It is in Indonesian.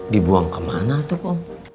dibuang kemana tuh kum